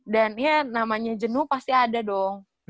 dan iya namanya jenuh pasti ada dong